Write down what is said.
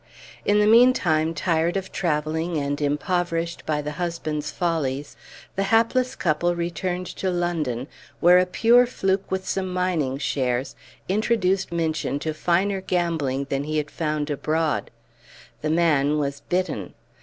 In the meantime, tired of travelling, and impoverished by the husband's follies, the hapless couple returned to London, where a pure fluke with some mining shares introduced Minchin to finer gambling than he had found abroad. The man was bitten.